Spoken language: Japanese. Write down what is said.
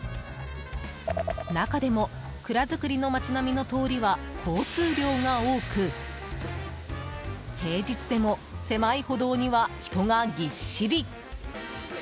中でも蔵造りの町並みの通りは交通量が多く平日でも狭い歩道には人がぎっしり。